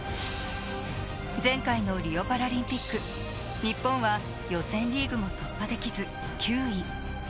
前回のリオパラリンピック、日本は予選リーグも突破できず、９位。